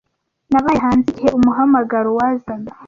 Nabaye hanze igihe umuhamagaro wazaga.